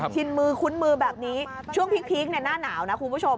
ชินมือคุ้นมือแบบนี้ช่วงพีคหน้าหนาวนะคุณผู้ชม